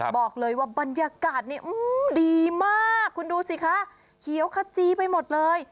บอกเลยว่าบรรยากาศนี้ดีมากคุณดูสิคะเขียวขจีไปหมดเลย